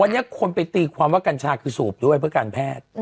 วันนี้คนไปตีความว่ากัญชาคือสูบด้วยเพื่อการแพทย์